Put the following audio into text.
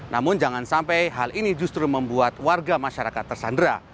namun jangan sampai hal ini justru membuat warga masyarakat tersandera